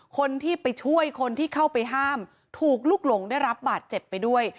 คนที่ไปช่วยคนที่เข้าไปห้ามถูกลุกหลงได้รับบาดเจ็บไปด้วย